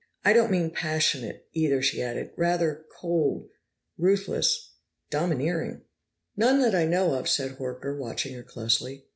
I don't mean passionate, either," she added. "Rather cold, ruthless, domineering." "None that I know of," said Horker, watching her closely.